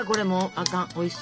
あかん。